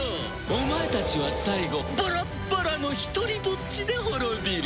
お前たちは最後バラッバラの独りぼっちで滅びる。